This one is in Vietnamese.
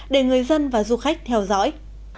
để người dân và du khách theo dõi